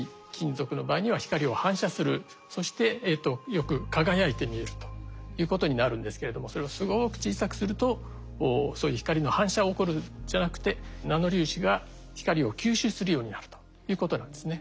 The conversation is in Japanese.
そしてよく輝いて見えるということになるんですけれどもそれをすごく小さくするとそういう光の反射が起こるんじゃなくてナノ粒子が光を吸収するようになるということなんですね。